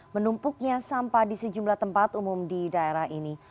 menumpuknya sampah di sejumlah tempat umum di daerah ini